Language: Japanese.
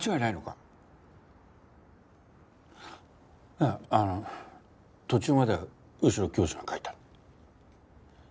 いやあの途中までは後宮教授が書いた。